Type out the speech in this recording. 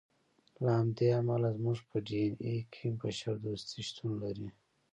له همدې امله زموږ په ډي اېن اې کې بشر دوستي شتون لري.